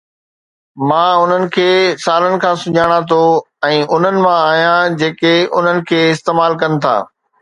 مان انھن کي سالن کان سڃاڻان ٿو ۽ انھن مان آھيان جيڪي انھن کي استعمال ڪن ٿا.